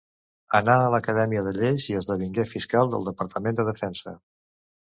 Anà a l'acadèmia de lleis i esdevingué fiscal del Departament de Defensa.